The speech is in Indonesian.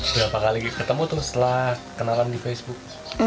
berapa kali ketemu tuh setelah kenalan di facebook